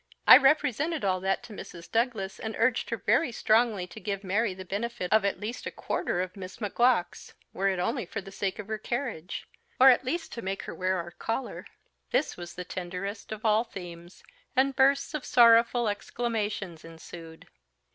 I represented all that to Mrs. Douglas, and urged her very strongly to give Mary the benefit of at least a quarter of Miss Macgowk's, were it only for the sake of her carriage; or, at least, to make her wear our collar." This was the tenderest of all themes, and bursts of sorrowful exclamations ensued.